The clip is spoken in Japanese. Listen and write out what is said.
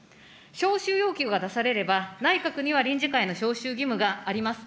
召集要求が出されれば、内閣には臨時会の召集義務があります。